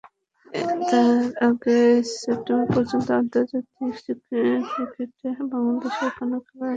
তার আগে সেপ্টেম্বর পর্যন্ত আন্তর্জাতিক ক্রিকেটে বাংলাদেশের কোনো খেলা এখনো ঠিক হয়নি।